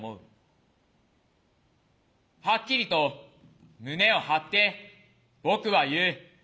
はっきりと胸を張って僕は言う。